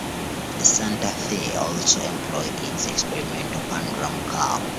The Santa Fe also employed its experimental pendulum car.